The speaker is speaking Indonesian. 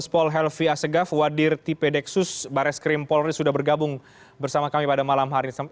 pak elvi asegaf wadir t pedeksus bares krim polris sudah bergabung bersama kami pada malam hari ini